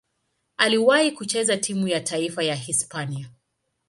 Aliwahi kucheza timu ya taifa ya Hispania.